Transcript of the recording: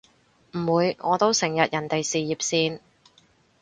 唔會，我都成日人哋事業線